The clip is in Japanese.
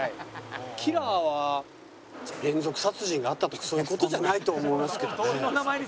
キラーは連続殺人があったとかそういう事じゃないと思いますけどね。